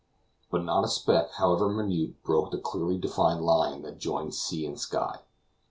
But not a speck, however minute, broke the clearly defined line that joined sea and sky.